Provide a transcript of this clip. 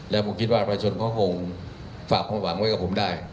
แล้วผมคิดว่าประชาชนเขาคงฝากความหวังไว้กับผมได้